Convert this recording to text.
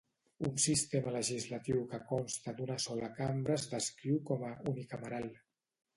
Un sistema legislatiu que consta d'una sola cambra es descriu com a "unicameral".